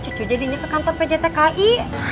cucu jadinya ke kantor pjtki